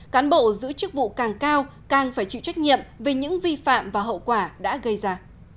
cán bộ giữ chức vụ càng cao càng phải chịu trách nhiệm về những vi phạm và hậu quả đã gây ra